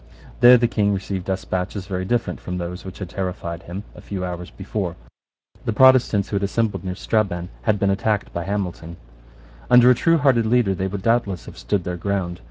There the King received despatches very different from those which had terrified him a few hours before. The Protestants who had assembled near Strabane had been attacked by Hamilton. Under a truehearted leader they would doubtless have stood their ground.